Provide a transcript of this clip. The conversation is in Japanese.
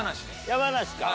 山梨か。